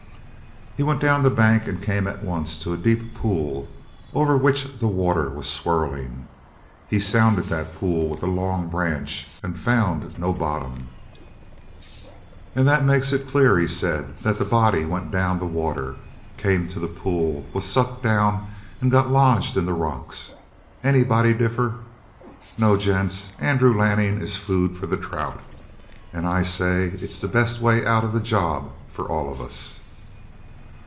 He went down the bank and came at once to a deep pool, over which the water was swirling. He sounded that pool with a long branch and found no bottom. "And that makes it clear," he said, "that the body went down the water, came to that pool, was sucked down, and got lodged in the rocks. Anybody differ? No, gents, Andrew Lanning is food for the trout. And I say it's the best way out of the job for all of us."